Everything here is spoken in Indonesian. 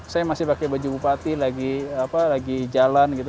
saya masih pakai baju bupati lagi jalan gitu